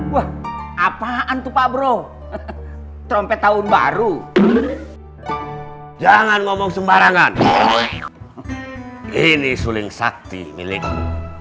wah apaan tuh pak bro trompet tahun baru jangan ngomong sembarangan ini suling sakti milikmu ini suling sakti milikmu